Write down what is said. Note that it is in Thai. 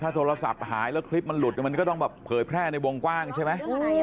โทรศัพท์หายแล้วคลิปมันหลุดมันก็ต้องแบบเผยแพร่ในวงกว้างใช่ไหม